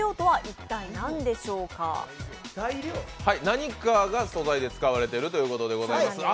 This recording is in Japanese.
何かが素材で使われてるということであります。